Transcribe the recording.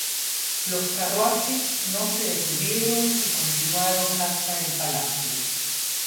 Los carruajes no se detuvieron y continuaron hasta el palacio.